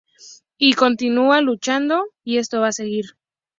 Y continúa luchando, y esto va a seguir.